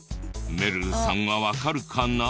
めるるさんはわかるかな？